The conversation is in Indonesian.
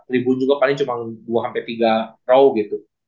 ribu juga paling cuman dua tiga row gitu